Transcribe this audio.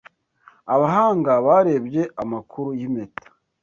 Abahanga barebye amakuru yimpeta.